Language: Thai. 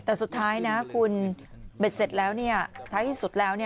แต่สุดท้ายนะคุณเบ็ดเสร็จแล้วท้ายที่สุดแล้ว